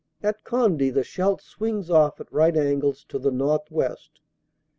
At Conde the Scheldt swings off at right angles to the northwest.